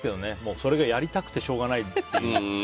それがやりたくてしょうがないっていう。